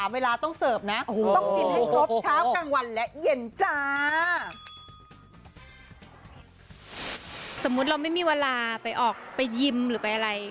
๓เวลาต้องเสิร์ฟนะต้องกินให้ครบเช้ากลางวันและเย็นจ้า